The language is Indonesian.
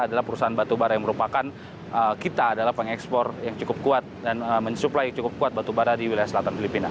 adalah perusahaan batubara yang merupakan kita adalah pengekspor yang cukup kuat dan mensuplai cukup kuat batubara di wilayah selatan filipina